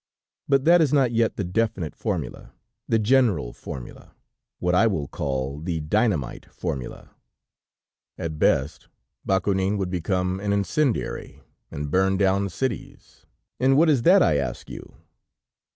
_ But that is not yet the definite formula, the general formula; what I will call, the dynamite formula. At best, Bakounine would become an incendiary, and burn down cities. And what is that, I ask you?